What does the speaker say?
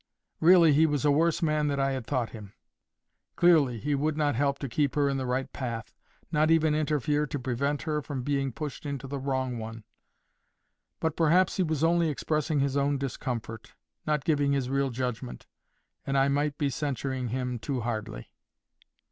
Really he was a worse man than I had thought him. Clearly he would not help to keep her in the right path, not even interfere to prevent her from being pushed into the wrong one. But perhaps he was only expressing his own discomfort, not giving his real judgment, and I might be censuring him too hardly.